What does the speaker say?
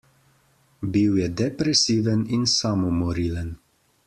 Bil je depresiven in samomorilen.